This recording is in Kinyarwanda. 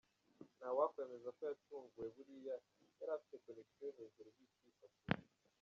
nta wakwemeza ko yatunguwe buriya yari afite connection hejuru yitwifatira .